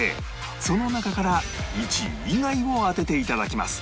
その中から１位以外を当てて頂きます